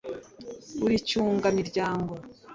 uri cyunga-miryango